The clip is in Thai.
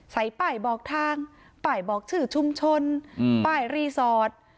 ใส่ป้ายบอกทางป้ายบอกชื่อชุมชนป้ายรีสอร์ท